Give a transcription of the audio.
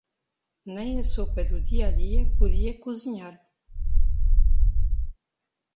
Nem a sopa do dia-a-dia podia cozinhar.